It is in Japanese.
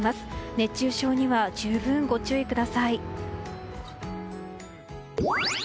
熱中症には十分ご注意ください。